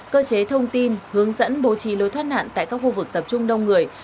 cơ chế thông tin hướng dẫn bố trí lối thoát nạn tại các khu vực tập trung đông người